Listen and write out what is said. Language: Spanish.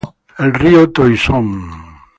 El río Toisón.